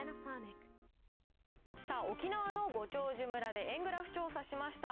沖縄のご長寿村で、円グラフ調査しました。